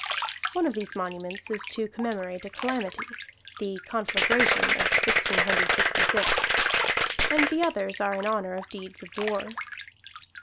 One of these monuments is to commemorate a calamity the conflagration of Sixteen Hundred Sixty six and the others are in honor of deeds of war.